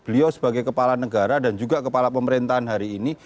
beliau sebagai kepala negara dan juga kepala pemerintahan hari ini